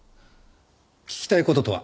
聞きたい事とは？